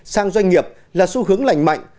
sang doanh nghiệp là xu hướng lành mạnh